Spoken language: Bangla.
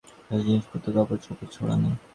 পাশে জিনিসপত্র কাপড়চোপড় ছড়ানো।